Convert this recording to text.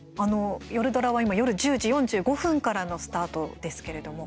夜ドラは今、夜１０時４５分からのスタートですけれども。